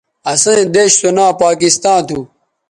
اسئیں دیݜ سو ناں پاکستاں تھو